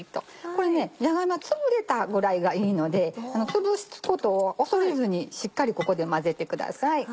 これじゃが芋がつぶれたぐらいがいいのでつぶすことを恐れずにしっかりここで混ぜてください。